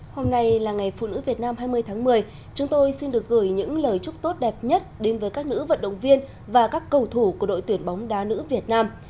hôm nay là ngày phụ nữ việt nam hai mươi tháng một mươi chúng tôi xin được gửi những lời chúc tốt đẹp nhất đến với các nữ vận động viên và các cầu thủ của đội tuyển bóng đá nữ việt nam